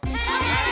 はい！